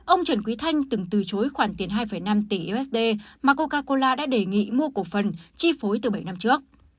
ông trần quý thanh từng từ chối khoản tiền hai năm tỷ usd mà coca cola đã đề nghị mua cổ phần chi phối từ bảy năm trước